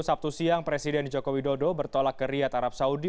sabtu siang presiden joko widodo bertolak ke riyad arab saudi